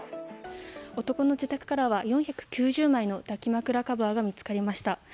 男の自宅からは４９０枚の抱き枕カバーが見つかりました。